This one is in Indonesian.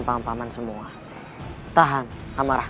apa yang lu tahu sekarang